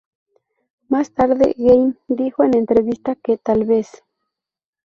Más tarde Game dijo en entrevista que "tal vez".